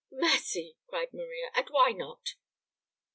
"Mercy!" cried Maria, "and why not?"